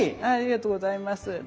ありがとうございます。